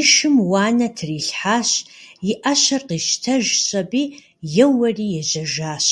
И шым уанэ трилъхьэщ, и ӏэщэр къищтэжщ аби, еуэри ежьэжащ.